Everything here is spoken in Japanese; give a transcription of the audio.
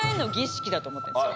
だと思ってるんですよ。